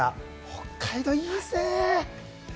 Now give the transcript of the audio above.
北海道、いいですね。